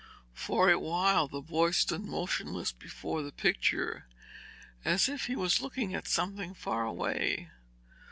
For a while the boy stood motionless before the picture as if he was looking at something far away.